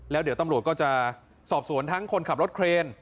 แล้วเดี๋ยวตำรวจก็จะสอบสวนทั้งคนขับรถเครน